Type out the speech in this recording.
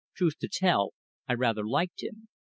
Truth to tell, I rather liked him.